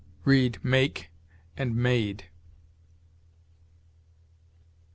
Read, make and made.